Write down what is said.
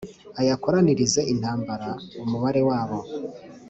Ayakoranirize intambara umubare wabo